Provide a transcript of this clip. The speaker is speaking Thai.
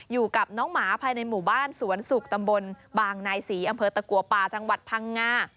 อยู่กับน้องหมาภายในหมู่บ้านสวนสุกตำบลบางนายศรีอำเภอตะกัวป่าจังหวัดพังงา